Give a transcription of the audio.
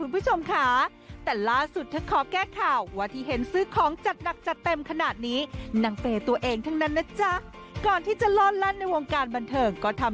ไปติดตามจากรายงานพิเศษเลยค่ะ